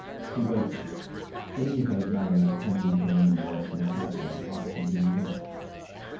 He waited. Then he heard Marrier's Kensingtonian voice in the telephone, asking who he was.